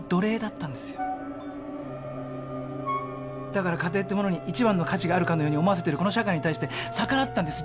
だから家庭ってものに一番の価値があるかのように思わせてるこの社会に対して逆らったんです。